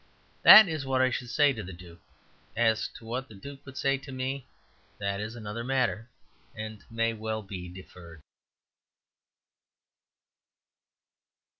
That is what I should say to the duke. As to what the duke would say to me, that is another matter, and may well be deferred.